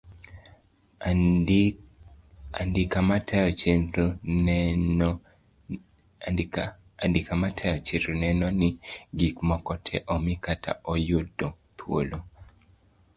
Andika matayo chenro neno ni gik moko tee omi kata oyudo thuolo.